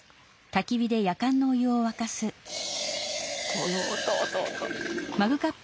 この音音！